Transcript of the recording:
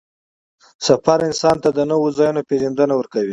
سفر انسان ته د نوو ځایونو پېژندنه ورکوي